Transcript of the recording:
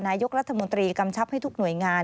นายกรัฐมนตรีกำชับให้ทุกหน่วยงาน